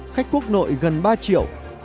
khách quốc nội gần ba triệu